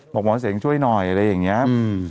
บอกหมอเสียงช่วยหน่อยอะไรอย่างนี้